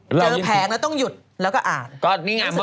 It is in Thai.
เจอแผงแล้วต้องหยุดแล้วก็อ่าน